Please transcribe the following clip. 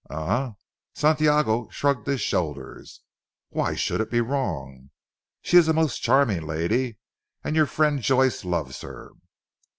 "Eh!" Santiago shrugged his shoulders, "Why should it be wrong? She is a most charming lady and your friend Joyce loves her."